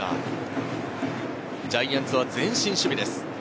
ジャイアンツは前進守備です。